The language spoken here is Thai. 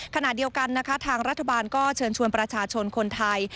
ขณะเดียวกันนะคะทางรัฐบาลก็เชิญชวนประชาชนคนไทย